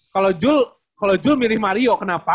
kalau jul kalau jul milih mario kenapa